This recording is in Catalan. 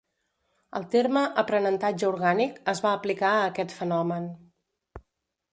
El terme "aprenentatge orgànic" es va aplicar a aquest fenomen.